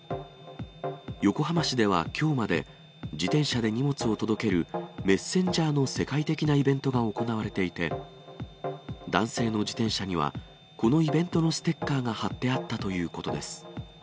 横浜市では、きょうまで、自転車で荷物を届けるメッセンジャーの世界的なイベントが行われていて、男性の自転車にはこのイベントのステッカーが貼ってあったということです。